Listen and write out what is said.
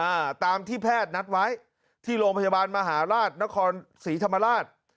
อ่าตามที่แพทย์นัดไว้ที่โรงพยาบาลมหาราชนครศรีธรรมราช